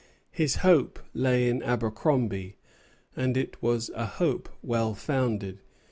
His hope lay in Abercromby; and it was a hope well founded.